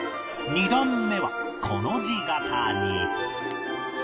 ２段目はコの字形に